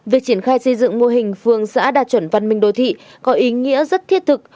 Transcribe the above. việc triển khai xây dựng mô hình phương xã đạt chuẩn văn minh đô thị có ý nghĩa rất thiết thực